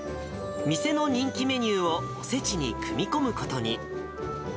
店の人気メニューをおせちに組み込むことに。